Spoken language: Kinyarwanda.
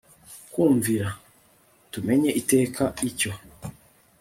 kumvira; tumenye iteka icyo